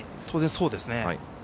当然、そうですね。